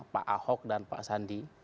pak ahok dan pak sandi